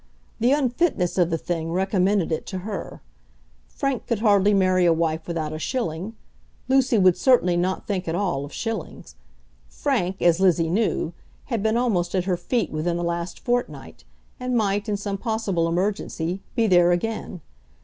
The unfitness of the thing recommended it to her. Frank could hardly marry a wife without a shilling. Lucy would certainly not think at all of shillings. Frank, as Lizzie knew, had been almost at her feet within the last fortnight, and might, in some possible emergency, be there again.